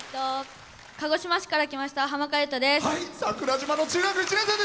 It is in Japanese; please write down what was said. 鹿児島市から来ましたはまがわです。